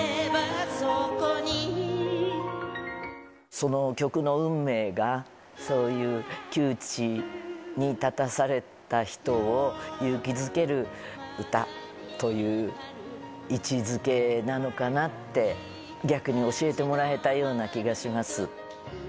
その曲の運命が、そういう窮地に立たされた人を勇気づける歌という位置づけなのかなって、逆に教えてもらえたような気がします。